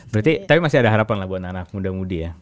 berarti tapi masih ada harapan lah buat anak muda mudi ya